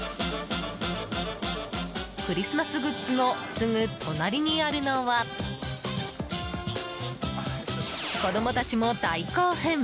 クリスマスグッズのすぐ隣にあるのは子供たちも大興奮！